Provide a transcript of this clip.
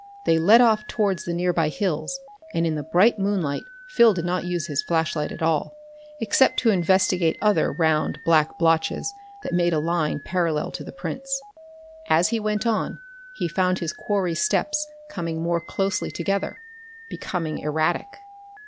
They led off towards the nearby hills, and in the bright moonlight Phil did not use his flashlight at all, except to investigate other round black blotches that made a line parallel to the prints. As he went on he found his quarry's steps coming more closely together: becoming erratic.